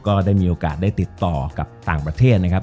ก็ได้มีโอกาสได้ติดต่อกับต่างประเทศนะครับ